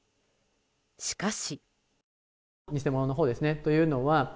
しかし。